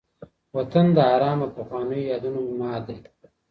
وطن د ارمان او پخوانيو یادونو مهد دی.